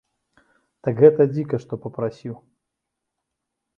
Так, гэта дзіка, што папрасіў.